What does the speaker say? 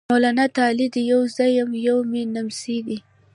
مولا تالی دی! يو زه یم، یو مې نمسی دی۔